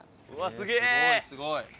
すごいすごい。